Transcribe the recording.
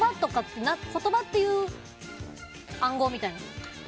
言葉っていう暗号みたいな。